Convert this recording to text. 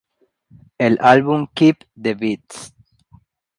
El álbum "Keep The Beats!